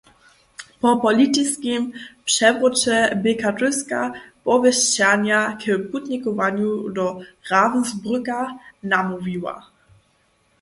Po politiskim přewróće bě katolska powěsćernja k putnikowanju do Ravensbrücka namołwiła.